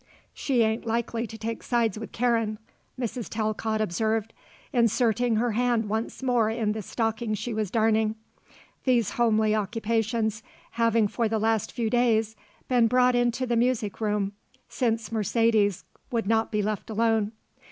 "She ain't likely to take sides with Karen," Mrs. Talcott observed, inserting her hand once more in the stocking she was darning, these homely occupations having for the last few days been brought into the music room, since Mercedes would not be left alone.